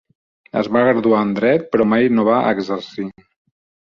Es va graduar en dret, però mai no va exercir.